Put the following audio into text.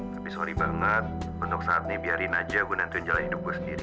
tapi sorry banget untuk saat ini biarin aja gue nantuin jalan hidup gue sendiri